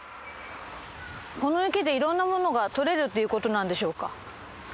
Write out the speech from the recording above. この池でいろんなものが獲れるっていうことなんでしょうか。